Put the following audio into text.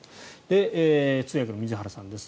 通訳の水原さんです。